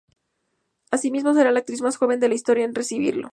Asimismo, será la actriz más joven de la historia en recibirlo.